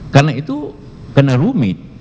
karena itu karena rumit